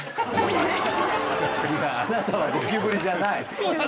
あなたはゴキブリじゃない。